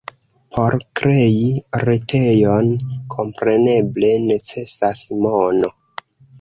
Por krei retejon, kompreneble, necesas mono.